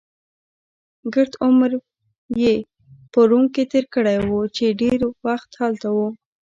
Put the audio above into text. ګرد عمر يې په روم کې تېر کړی وو، چې ډېر وخت هلته و.